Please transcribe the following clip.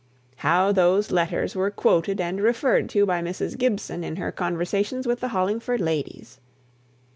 How those letters were quoted and referred to by Mrs. Gibson in her conversations with the Hollingford ladies!